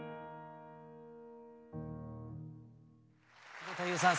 城田優さん